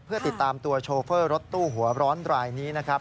เพื่อติดตามตัวโชเฟอร์รถตู้หัวร้อนรายนี้นะครับ